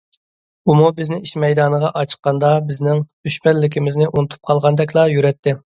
ئۇمۇ بىزنى ئىش مەيدانىغا ئاچىققاندا بىزنىڭ« دۈشمەن» لىكىمىزنى ئۇنتۇپ قالغاندەكلا يۈرەتتى.